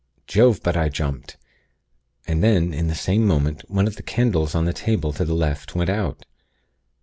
Jove! but I jumped, and then, in the same moment, one of the candles on the table to the left went out.